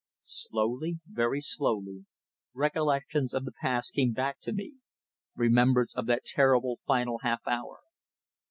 Slowly, very slowly, recollections of the past came back to me remembrance of that terrible, final half hour.